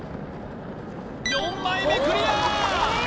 ４枚目クリア！